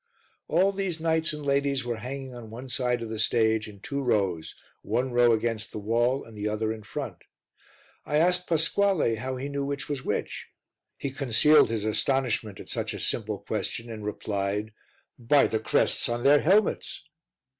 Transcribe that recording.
All these knights and ladies were hanging on one side of the stage in two rows, one row against the wall and the other in front. I asked Pasquale how he knew which was which. He concealed his astonishment at such a simple question and replied "By the crests on their helmets."